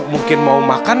mungkin mau makan